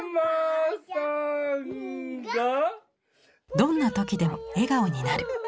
どんな時でも笑顔になる。